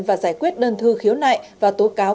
và giải quyết đơn thư khiếu nại và tố cáo